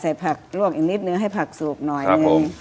อ๋อใส่ผักลวกอีกนิดนึงให้ผักสูบหน่อยนิดนึง